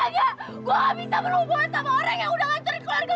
ya udah lah coba kerja dulu ya